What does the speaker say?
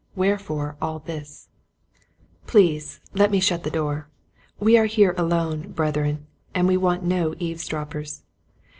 Wherefore All This, Please let me shut the door. We are here alone, Brethren, and we want no eavesdroppers.